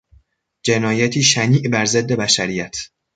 جنایتی شنیع بر ضد بشریت